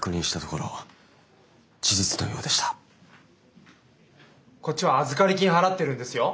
こっちは預かり金払ってるんですよ！